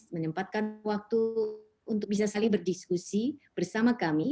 menyempatkan waktu untuk bisa saling berdiskusi bersama kami